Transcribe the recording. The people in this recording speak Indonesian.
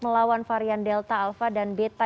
melawan varian delta alpha dan beta